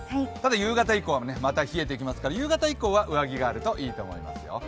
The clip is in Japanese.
夕方以降はまた冷えてきますから夕方以降は上着があるといいと思いますよ。